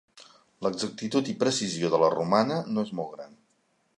L'exactitud i precisió de la romana no és molt gran.